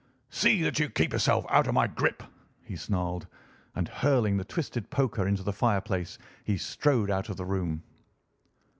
"See that you keep yourself out of my grip," he snarled, and hurling the twisted poker into the fireplace he strode out of the room.